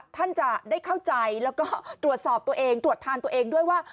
ท่านจะได้เข้าใจแล้วก็ตรวจสอบตัวเองตรวจทานตัวเองด้วยว่า